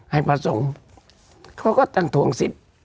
ให้พระสงฆ์ก็ต้องสิ้น